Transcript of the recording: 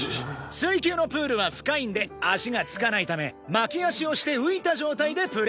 水球のプールは深いんで足がつかないため巻き足をして浮いた状態でプレーする。